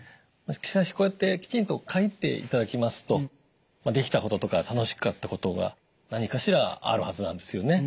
しかしこうやってきちんと書いていただきますと「できたこと」とか「楽しかったこと」が何かしらあるはずなんですよね。